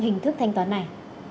hình thức thanh toán này